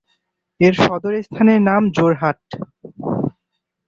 এর সদর স্থানের নাম যোরহাট।